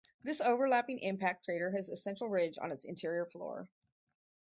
This overlapping impact crater has a central ridge on its interior floor.